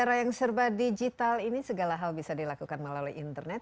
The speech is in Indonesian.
era yang serba digital ini segala hal bisa dilakukan melalui internet